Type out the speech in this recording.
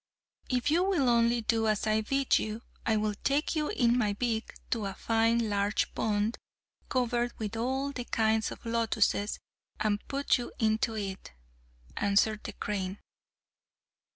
"If you will only do as I bid you, I will take you in my beak to a fine large pond, covered with all the kinds of lotuses, and put you into it," answered the crane.